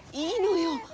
いいのよ。